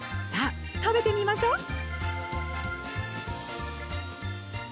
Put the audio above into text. さあ食べてみましょ！